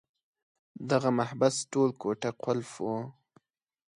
دغه محبس ټول کوټه قلف وو.